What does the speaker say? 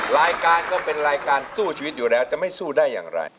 รายการก็เป็นรายการสู้ชีวิตอยู่แล้วจะไม่สู้ได้อย่างไร